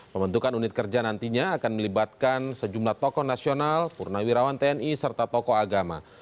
pembentukan unit kerja nantinya akan melibatkan sejumlah tokoh nasional purnawirawan tni serta tokoh agama